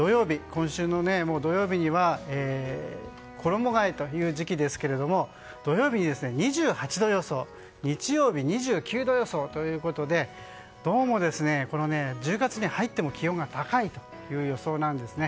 今週の土曜日には衣替えという時期ですけれども土曜日に２８度予想日曜日、２９度予想ということでどうも、１０月に入っても気温が高いという予想なんですね。